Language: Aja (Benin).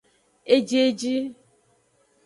Ejieji.